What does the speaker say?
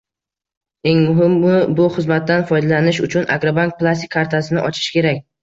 Eng muhimi, bu xizmatdan foydalanish uchun "Agrobank" plastik kartasini ochish kerak